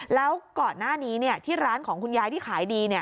แล้วก่อนหน้านี้ที่ร้านของคุณยายที่ขายดี